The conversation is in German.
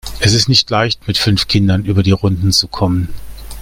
Es ist nicht leicht, mit fünf Kindern über die Runden zu kommen.